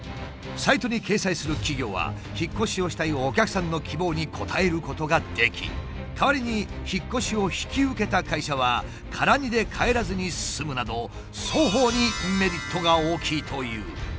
サイトに掲載する企業は引っ越しをしたいお客さんの希望に応えることができ代わりに引っ越しを引き受けた会社は空荷で帰らずに済むなど双方にメリットが大きいという。